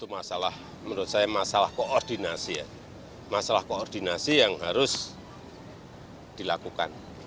masalah menurut saya masalah koordinasi ya masalah koordinasi yang harus dilakukan